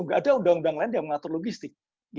nggak ada undang undang lain yang mengatur logistik